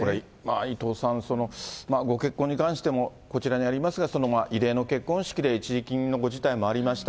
伊藤さん、ご結婚に関しても、こちらにありますが、異例の結婚式で一時金のご辞退もありました。